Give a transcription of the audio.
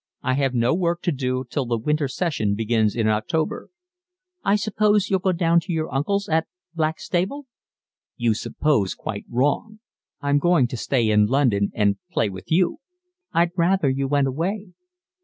I have no work to do till the winter session begins in October." "I suppose you'll go down to your uncle's at Blackstable?" "You suppose quite wrong. I'm going to stay in London and play with you." "I'd rather you went away."